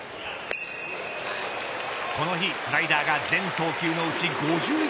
この日スライダーが全投球のうち５１％。